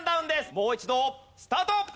もう一度スタート！